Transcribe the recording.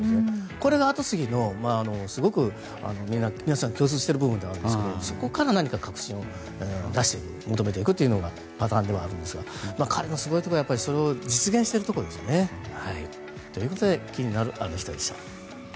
これが後継ぎの皆さん共通してる部分ではあるんですがそこから何か革新を出していく求めていくというのがパターンではあるんですが彼のすごいところはそれを実現しているところですよね。ということで気になるアノ人でした。